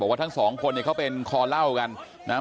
ว่าทั้งสองคนเนี่ยเขาเป็นคอเล่ากันนะครับ